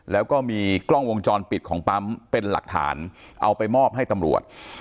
แล้วก็มีกล้องวงจรปิดของปั๊มเป็นหลักฐานเอาไปมอบให้ตำรวจ